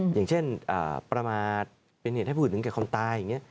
อย่างเช่นประมาทเป็นเหตุให้ผู้อื่นถึงแก่ความตายอย่างนี้